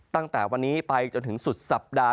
ตั้งแต่วันนี้ไปจนถึงสุดสัปดาห์